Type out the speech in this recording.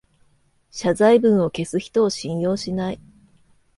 謝罪文を消す人を信用しない